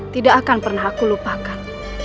tidak akan pernah aku lupakan